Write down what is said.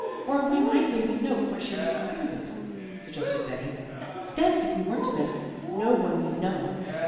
"Or we might leave a note where she would find it," suggested Betty. "Then if we weren't missed no one need know."